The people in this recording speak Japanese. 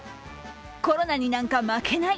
コロナになんか負けない！